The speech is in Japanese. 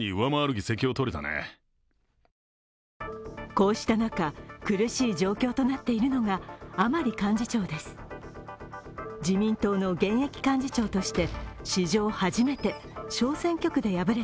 こうした中、苦しい状況となっているのが甘利幹事長です。